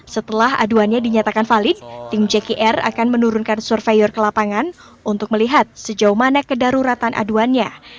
setelah aduannya dinyatakan valid tim jkr akan menurunkan surveyor ke lapangan untuk melihat sejauh mana kedaruratan aduannya